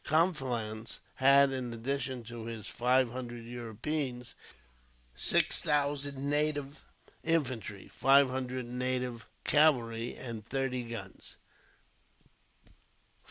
Conflans had, in addition to his five hundred Europeans, six thousand native infantry, five hundred native cavalry, and thirty guns.